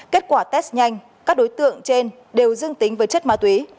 kết quả test nhanh các đối tượng trên đều dương tính với chất ma túy